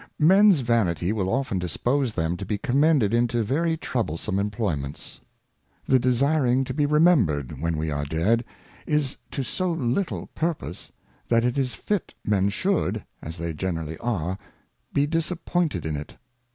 Mens Vanity will often dispose them to be commended into very troublesome Employments. The desiring to be remember'd when we are dead, is to so little purpose, that it is fit Men should, as they generally are, be disappointed in it.